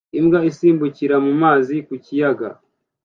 Imbwa isimbukira mu mazi ku kiyaga